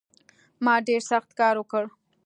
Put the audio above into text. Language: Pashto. ما ډېر سخت کار وکړ